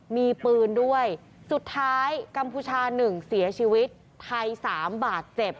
มีปืนด้วยสุดท้ายกัมพูชา๑เสียชีวิตไทย๓บาทเจ็บ